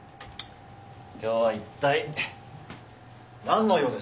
今日は一体何の用ですか？